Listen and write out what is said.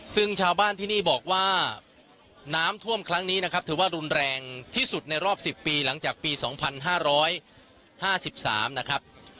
ซึ่งชาวบ้านที่นี่บอกว่าน้ำท่วมครั้งนี้นะครับถือว่ารุนแรงที่สุดในรอบสิบปีหลังจากปีสองพันห้าร้อยห้าสิบสามนะครับ